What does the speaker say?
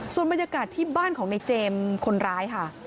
ส่วนบรรยากาศที่บ้านของในเจมส์คนร้ายค่ะ